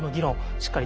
しっかり